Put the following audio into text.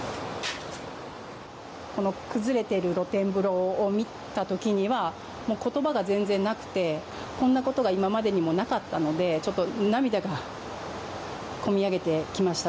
この崩れている露天風呂を見たときにはことばが全然なくてこんなことは今までにもなかったのでちょっと涙が込み上げてきました。